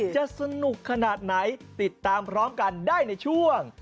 จะสนุกขนาดไหนติดตามพร้อมกันได้ในช่วง